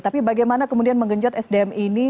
tapi bagaimana kemudian menggenjot sdm ini